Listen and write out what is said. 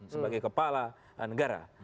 sebagai kepala negara